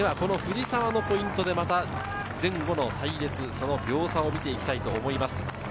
この藤沢のポイントで、また前後の隊列、秒差を見ていきたいと思います。